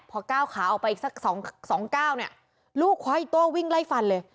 พอก้าวขาออกไปอีกสักสองสองก้าวเนี่ยลูกขวาอีกโต้วิ่งไล่ฟันเลย